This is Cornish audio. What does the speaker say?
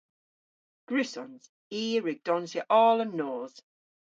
Gwrussons. I a wrug donsya oll an nos.